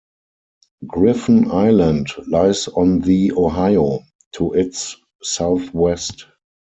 Griffen Island lies on the Ohio to its southwest.